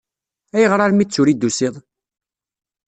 Ayɣer armi d tura i d-tusiḍ?